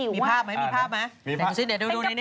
มีภาพไหมดูนี่น่ะ